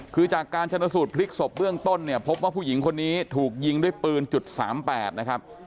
คือจากการชนสูตรพลิกศพเบื้องต้นเนี่ยพบว่าผู้หญิงคนนี้ถูกยิงด้วยปืน๓๘นะครับ